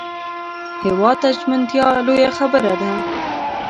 هېواد ته ژمنتیا لویه خبره ده